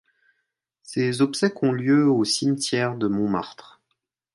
Ses obsèques ont lieu au cimetière de Montmartre.